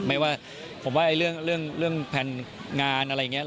ไม่ว่าผมว่าเรื่องแผนงานอะไรอย่างนี้